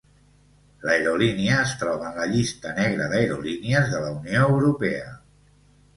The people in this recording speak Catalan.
L'aerolínia es troba en la Llista negra d'aerolínies de la Unió Europea.